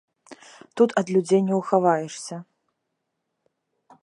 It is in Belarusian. Тут ад людзей не ўхаваешся.